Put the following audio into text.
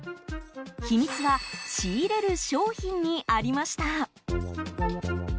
秘密は仕入れる商品にありました。